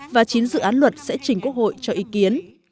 và chín dự án luật sẽ chỉnh quốc hội cho ý kiến